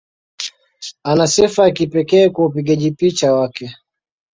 Ana sifa ya kipekee kwa upigaji picha wake.